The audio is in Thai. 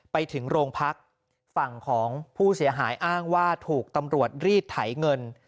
ไปถึงโรงพักฝั่งของผู้เสียหายอ้างว่าถูกตำรวจรีดไถเงิน